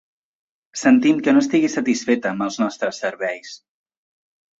Sentim que no estigui satisfeta amb els nostres serveis.